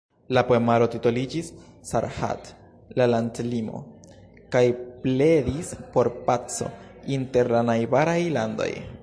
La poemaro titoliĝis "Sarhad" (La landlimo) kaj pledis por paco inter la najbaraj landoj.